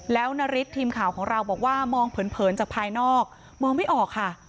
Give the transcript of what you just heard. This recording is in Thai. แล้วเจ้าหน่ายของข้าวบอกว่ามองเผือนจากภายนอกมองไม่ออกค่ะ